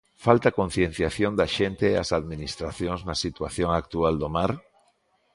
Falta concienciación da xente e das Administracións na situación actual do mar?